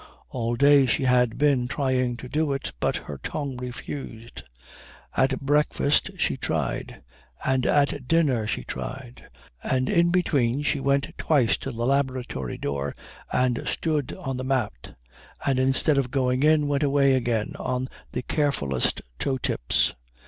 All day she had been trying to do it, but her tongue refused. At breakfast she tried, and at dinner she tried, and in between she went twice to the laboratory door and stood on the mat, and instead of going in went away again on the carefullest toe tips.